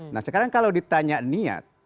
nah sekarang kalau ditanya niat